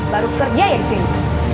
baru kerja ya sih